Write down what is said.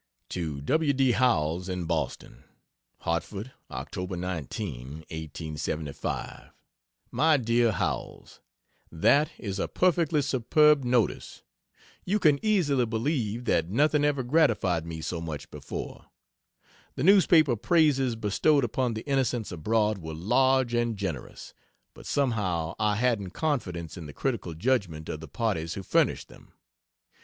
To W. D. Howells, in Boston: HARTFORD, Oct. 19, 1875. MY DEAR HOWELLS, That is a perfectly superb notice. You can easily believe that nothing ever gratified me so much before. The newspaper praises bestowed upon the "Innocents Abroad" were large and generous, but somehow I hadn't confidence in the critical judgement of the parties who furnished them.